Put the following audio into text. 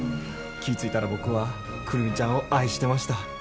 気ぃ付いたら僕は久留美ちゃんを愛してました。